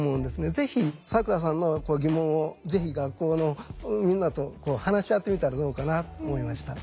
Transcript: ぜひ咲良さんの疑問をぜひ学校のみんなと話し合ってみたらどうかなと思いました。